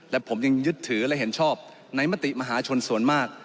และผมยังยึดถือและเห็นชอบในมติมหาชนส่วนมาก